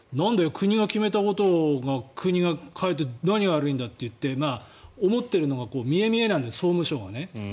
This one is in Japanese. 国が決めたことを国が変えて何が悪いんだといって思っているのが見え見えなんで総務省がね。